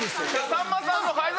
さんまさんの灰皿